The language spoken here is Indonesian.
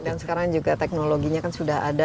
dan sekarang juga teknologinya kan sudah ada